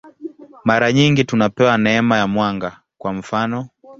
Mara nyingi tunapewa neema ya mwanga, kwa mfanof.